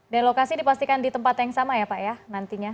dan lokasi dipastikan di tempat yang sama ya pak ya nantinya